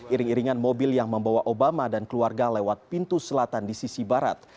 iring iringan mobil yang membawa obama dan keluarga lewat pintu selatan di sisi barat